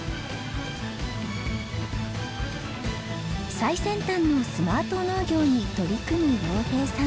最先端のスマート農業に取り組む洋平さん。